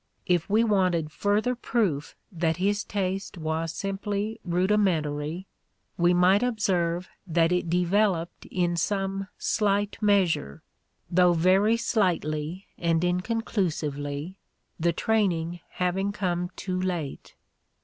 If we wanted further proof that his taste was simply rudi mentary we might observe that it developed in some slight measure, though very slightly and inconclusively, the "training" having come too late.